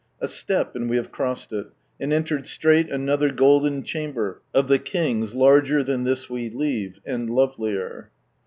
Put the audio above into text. A step, and we have crossed it, and entered "straight another golden chamber of the King's larger than this we leave, and lovelier."